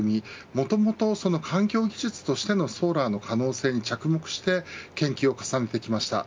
もともと環境技術としてのソーラーの可能性に着目して研究を重ねてきました。